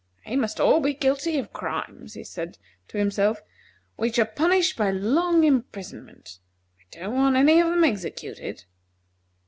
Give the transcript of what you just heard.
"They must all be guilty of crimes," he said to himself, "which are punished by long imprisonment. I don't want any of them executed."